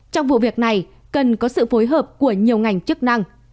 trong vụ việc này cần có sự phối hợp của nhiều ngành chức năng